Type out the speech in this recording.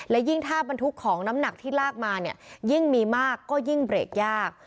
และยิ่งถ้าบรรทุกของน้ำหนักที่ลากมาเนี่ยยิ่งมีมากก็ยิ่งเบรกยาก